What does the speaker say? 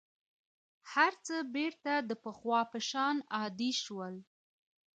هر څه بېرته د پخوا په شان عادي شول.